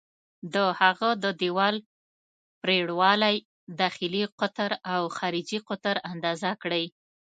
د هغه د دیوال پرېړوالی، داخلي قطر او خارجي قطر اندازه کړئ.